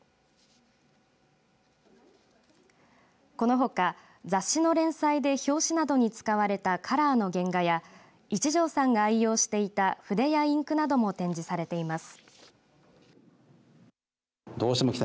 このほか、雑誌の連載で表紙などに使われたカラーの原画や一条さんが愛用していた筆やインクなども展示されています。